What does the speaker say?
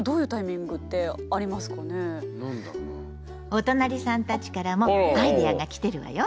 おとなりさんたちからもアイデアが来てるわよ。